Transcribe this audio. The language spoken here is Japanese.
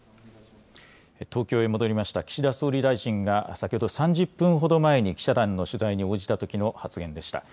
東京へ戻りました岸田総理大臣が先ほど３０分ほど前に記者団の取材に応じたときの発言でした。